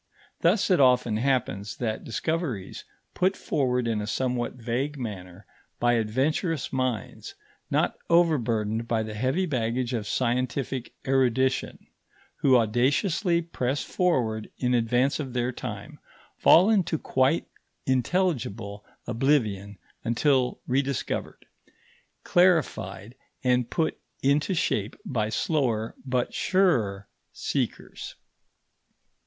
Thus it often happens that discoveries put forward in a somewhat vague manner by adventurous minds not overburdened by the heavy baggage of scientific erudition, who audaciously press forward in advance of their time, fall into quite intelligible oblivion until rediscovered, clarified, and put into shape by slower but surer seekers.